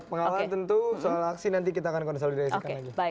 pengawalan tentu soal aksi nanti kita akan konsolidasikan lagi